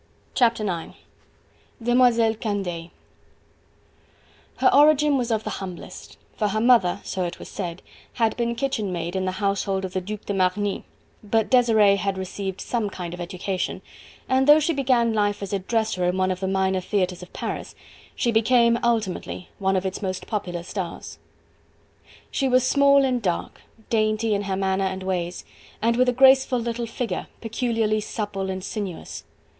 Chapter IX: Demoiselle Candeille Her origin was of the humblest, for her mother so it was said had been kitchen maid in the household of the Duc de Marny, but Desiree had received some kind of education, and though she began life as a dresser in one of the minor theatres of Paris, she became ultimately one of its most popular stars. She was small and dark, dainty in her manner and ways, and with a graceful little figure, peculiarly supple and sinuous.